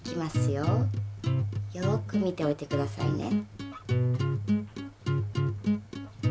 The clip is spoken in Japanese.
よく見ておいて下さいね。